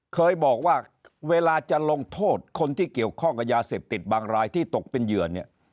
เคยบอกว่าเวลาจะลงโทษคนที่เกี่ยวข้องกับยาเสพติดบางรายที่ตกเป็นเหยื่อเนี่ย